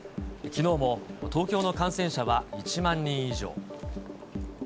きのうも東京の感染者は１万人以上。